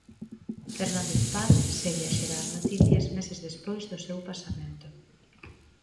Fernández Paz segue a xerar noticias meses despois do seu pasamento.